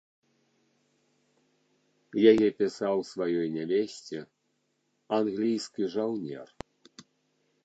Яе пісаў сваёй нявесце англійскі жаўнер.